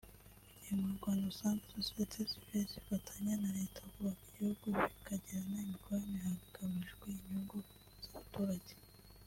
Mu gihe mu Rwanda usanga Sosiyete sivile zifatanya na leta kubaka igihugu bikagirana imikoranire hagamijwe inyungu z’abaturage